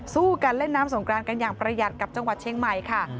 สู้กันเล่นน้ำสงกรานกันอย่างประหยัดกับจังหวัดเชียงใหม่ค่ะ